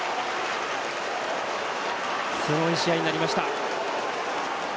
すごい試合になりました。